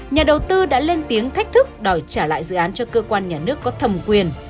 nhà đầu tư đã lên tiếng thách thức đòi trả lại dự án cho cơ quan nhà nước có thẩm quyền